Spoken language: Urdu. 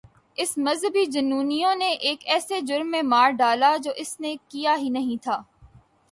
اسے مذہبی جنونیوں نے ایک ایسے جرم میں مار ڈالا جو اس نے کیا ہی نہیں تھا۔